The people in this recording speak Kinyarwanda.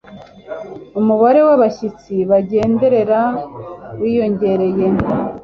umubare w'abashyitsi bagenderera wiyongere